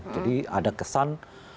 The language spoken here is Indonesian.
jadi ada kesan